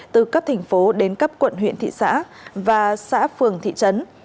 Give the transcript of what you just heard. từ cấp thành phố đến cấp quận huyện thị xã và xã phường thị trấn